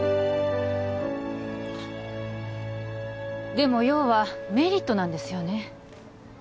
でも要はメリットなんですよね